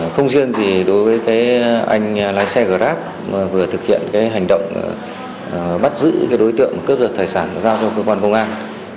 không riêng gì đối với anh lái xe grab vừa thực hiện hành động bắt giữ đối tượng cướp giật tài sản giao cho cơ quan công an